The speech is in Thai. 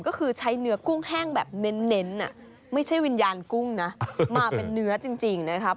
ก็คือใช้เนื้อกุ้งแห้งแบบเน้นไม่ใช่วิญญาณกุ้งนะมาเป็นเนื้อจริงนะครับ